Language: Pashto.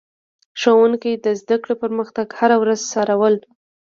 ښوونکي د زده کړې پرمختګ هره ورځ څارلو.